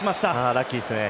ラッキーですね。